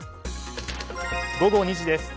午後２時です。